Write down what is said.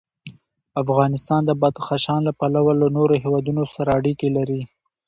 افغانستان د بدخشان له پلوه له نورو هېوادونو سره اړیکې لري.